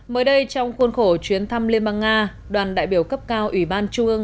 mới đây trong khuôn khổ chuyến thăm liên bang nga đoàn đại biểu cấp cao ủy ban trung ương